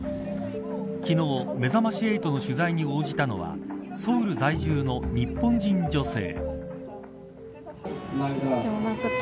昨日めざまし８の取材に応じたのはソウル在住の日本人女性。